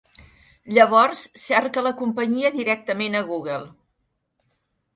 Llavors, cerca la companyia directament a Google.